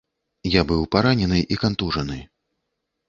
Я быў і паранены, і кантужаны.